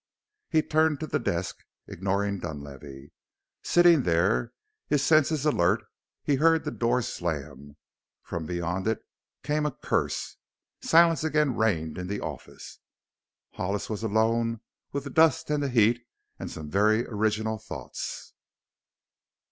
He turned to the desk, ignoring Dunlavey. Sitting there, his senses alert, he heard the door slam. From beyond it came a curse. Silence again reigned in the office; Hollis was alone with the dust and the heat and some very original thoughts.